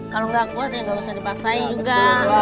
kalau gak kuat ya gak usah dipaksain juga